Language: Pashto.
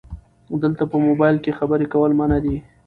دلته په مبایل کې خبرې کول منع دي 📵